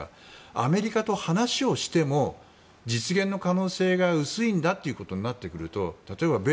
アメリカと話をしても実現の可能性が薄いんだということになってくると例えば、米